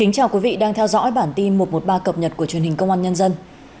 chào mừng quý vị đến với bản tin một trăm một mươi ba cập nhật của truyền hình công an nhân dân